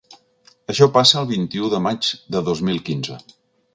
Això passava el vint-i-u de maig del dos mil quinze.